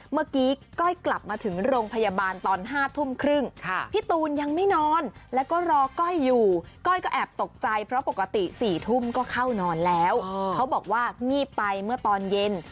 ไม่นอนแล้วก็รอก้อยอยู่ก้อยก็แอบตกใจเพราะปกติ๔ทุ่มก็เข้านอนแล้วเขาบอกว่างีบไปเมื่อตอนเย็น